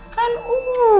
gak apa apa bu